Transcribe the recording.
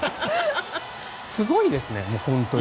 すごいですね本当に。